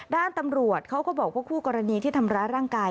ด้านตำรวจเขาก็บอกว่าคู่กรณีที่ทำร้ายร่างกาย